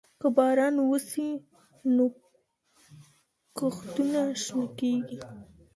که باران وسي، نو کښتونه شنه کيږي.